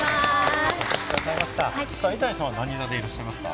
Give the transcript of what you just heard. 板谷さんは何座でいらっしゃいますか？